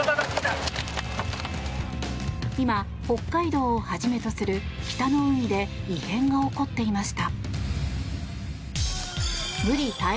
今、北海道をはじめとする北の海で異変が起こっていました。